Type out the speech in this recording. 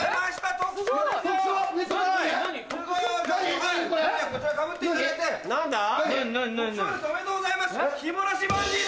特賞ですおめでとうございます！